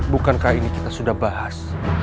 bukankah ini kita sudah bahas